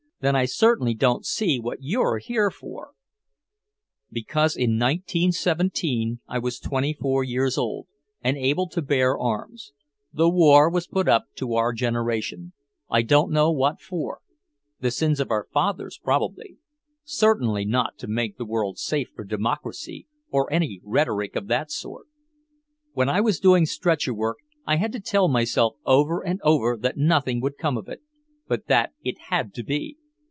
"Then I certainly don't see what you're here for!" "Because in 1917 I was twenty four years old, and able to bear arms. The war was put up to our generation. I don't know what for; the sins of our fathers, probably. Certainly not to make the world safe for Democracy, or any rhetoric of that sort. When I was doing stretcher work, I had to tell myself over and over that nothing would come of it, but that it had to be.